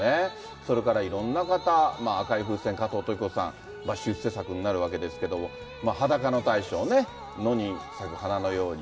それからいろんな方、赤い風船、加藤登紀子さん、出世作になるわけですけど、裸の大将ね、野に咲く花のように。